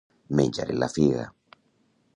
Menjar-li la figa.